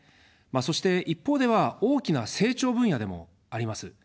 そして、一方では大きな成長分野でもあります。